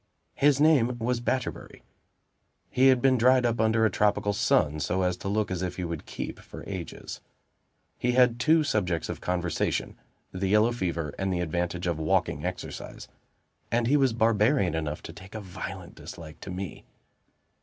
His name was Batterbury; he had been dried up under a tropical sun, so as to look as if he would keep for ages; he had two subjects of conversation, the yellow fever and the advantage of walking exercise: and he was barbarian enough to take a violent dislike to me.